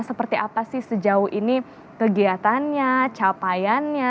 seperti apa sih sejauh ini kegiatannya capaiannya